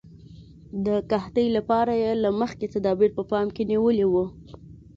د قحطۍ لپاره یې له مخکې تدابیر په پام کې نیولي وو.